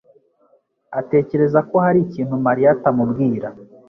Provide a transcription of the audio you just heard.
atekereza ko hari ikintu Mariya atamubwira.